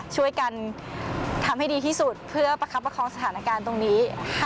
ช่วยกันทำให้ดีที่สุดเพื่อประคับประคองสถานการณ์ตรงนี้